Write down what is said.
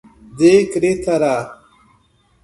decretará